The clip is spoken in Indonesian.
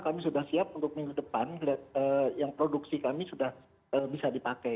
kami sudah siap untuk minggu depan yang produksi kami sudah bisa dipakai